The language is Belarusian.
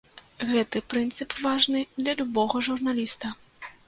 Гэты прынцып важны для любога журналіста.